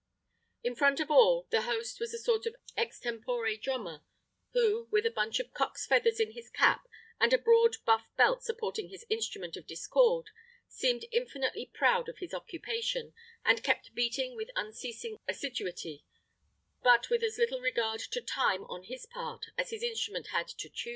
In front of all the host was a sort of extempore drummer, who with a bunch of cocks' feathers in his cap, and a broad buff belt supporting his instrument of discord, seemed infinitely proud of his occupation, and kept beating with unceasing assiduity, but with as little regard to time on his part as his instrument had to tune.